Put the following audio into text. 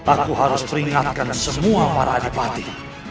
aku harus peringatkan semua para adipati